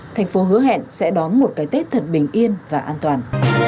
thành phố hứa hẹn sẽ đón một cái tết thật bình yên và an toàn